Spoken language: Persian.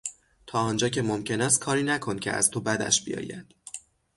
تا آنجا که ممکن است کاری نکن که از تو بدش بیاید.